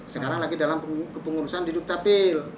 sekarang lagi dalam kepengurusan di dukcapil